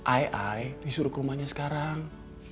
ai disuruh ke rumahnya sekarang